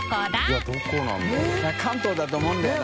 関東だと思うんだよな。